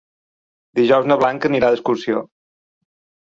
Dijous na Blanca anirà d'excursió.